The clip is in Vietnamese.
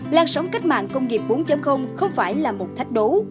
lan sóng cách mạng công nghiệp bốn không phải là một thách đố